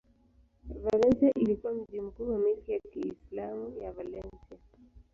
Valencia ilikuwa mji mkuu wa milki ya Kiislamu ya Valencia.